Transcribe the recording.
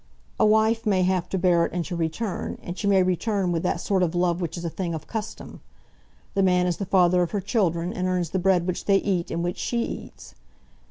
A wife may have to bear it and to return. And she may return with that sort of love which is a thing of custom. The man is the father of her children, and earns the bread which they eat and which she eats.